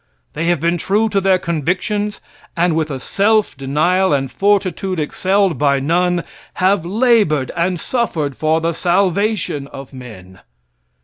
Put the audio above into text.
They have been true to their convictions, and with a self denial and fortitude excelled by none, have labored and suffered for the salvation of men.